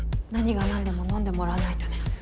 何がなんでも飲んでもらわないとね。